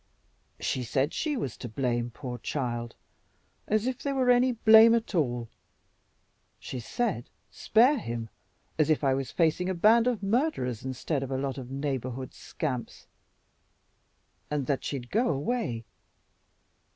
"She said she was to blame, poor child! As if there were any blame at all! She said, 'spare him,' as if I was facing a band of murderers instead of a lot of neighborhood scamps, and that she'd go away.